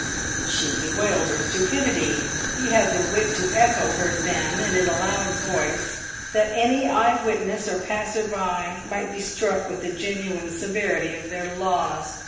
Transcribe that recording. She bewailed her stupidity; he had the wit to echo her then, and in a loud voice, that any eye witness or passer by might be struck with the genuine severity of their loss.